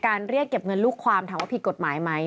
เรียกเก็บเงินลูกความถามว่าผิดกฎหมายไหม